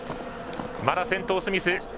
まだ、先頭スミス。